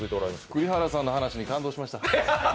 栗原さんの話に感動しました。